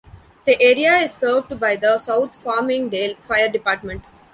The area is served by the South Farmingdale Fire Department.